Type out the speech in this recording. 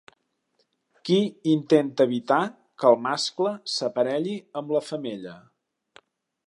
Qui intenta evitar que el mascle s'aparelli amb la femella?